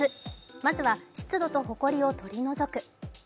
まずは湿度とほこりを取り除く。